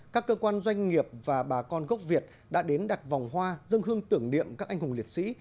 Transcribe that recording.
các cơ quan doanh nghiệp và bà con gốc việt đã đến đặt vòng hoa dân hương tưởng niệm các anh hùng liệt sĩ